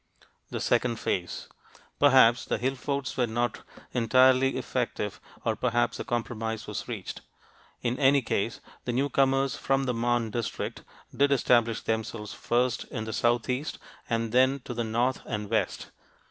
THE SECOND PHASE Perhaps the hill forts were not entirely effective or perhaps a compromise was reached. In any case, the newcomers from the Marne district did establish themselves, first in the southeast and then to the north and west.